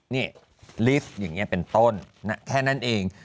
นี่ลิฟต์อย่างนี้เป็นต้นแค่นั้นเอง